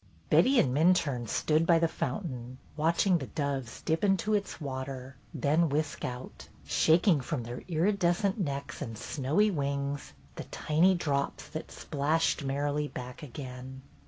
Betty and Minturne stood by the fountain, watching the doves dip into its water, then whisk out, shaking from their iridescent necks 302 BETTY BAIRD'S GOLDEN YEAR and snowy wings the tiny drops that splashed merrily back again.